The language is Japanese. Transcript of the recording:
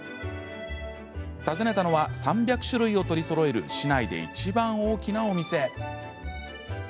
訪ねたのは３００種類を取りそろえる市内でいちばん大きなお店。